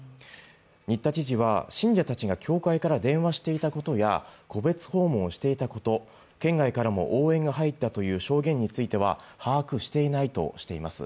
新田知事は信者たちが教会から電話していたことや戸別訪問していたこと、県外からも応援が入ったという証言については、把握していないとしています。